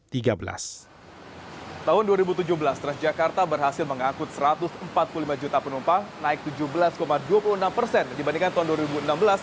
tahun dua ribu tujuh belas transjakarta berhasil mengangkut satu ratus empat puluh lima juta penumpang naik tujuh belas dua puluh enam persen dibandingkan tahun dua ribu enam belas